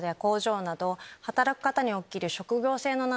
働く方に起きる。